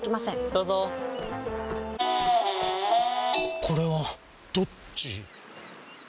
どうぞこれはどっち？